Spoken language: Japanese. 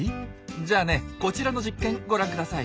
じゃあねこちらの実験ご覧ください。